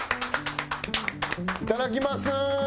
いただきます！